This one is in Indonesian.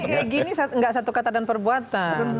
kayak gini nggak satu kata dan perbuatan